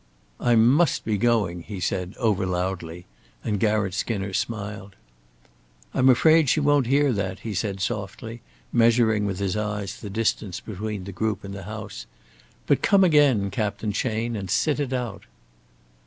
"I must be going," he said, over loudly, and Garratt Skinner smiled. "I'm afraid she won't hear that," he said softly, measuring with his eyes the distance between the group and the house. "But come again, Captain Chayne, and sit it out."